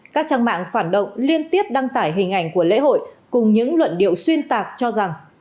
các trang mạng phản động liên tiếp đăng tải hình ảnh của lễ hội cùng những luận điệu xuyên tạc cho rằng